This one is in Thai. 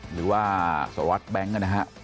หรือว่าสรวจแบงก์นะครับ